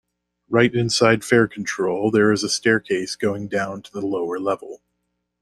Right inside fare control, there is a staircase going down to the lower level.